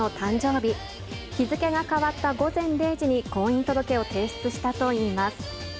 日付が変わった午前０時に婚姻届を提出したといいます。